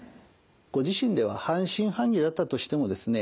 ご自身では半信半疑だったとしてもですね